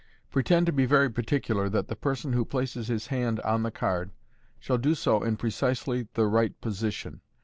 Pretend to be very particular that the person who placeshishandonthecard shall do so in precisely the right position.